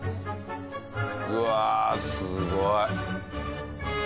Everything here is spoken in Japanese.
うわあすごい！